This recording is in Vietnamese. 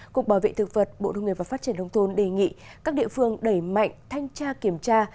cục bảo vệ thực vật bộ nông nghiệp và phát triển nông thôn đề nghị các địa phương đẩy mạnh thanh tra kiểm tra